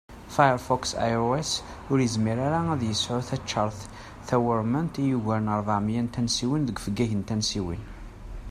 Firefox iOS ur yizmir ara ad yesεu taččart tawurmant i ugar n rbeɛ miyya n tansiwin deg ufeggag n tansiwin